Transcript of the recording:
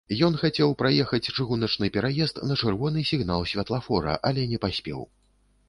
Ён хацеў праехаць чыгуначны пераезд на чырвоны сігнал святлафора, але не паспеў.